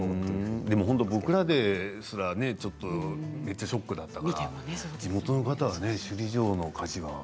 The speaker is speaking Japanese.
僕らですら、ちょっとめっちゃショックだったから地元の方は首里城の火事は。